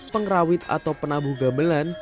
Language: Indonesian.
pengerawit atau penabuh gamelan